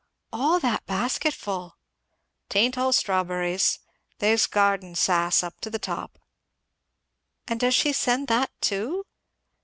"All that basketful!" "'Tain't all strawberries there's garden sass up to the top." "And does she send that too?"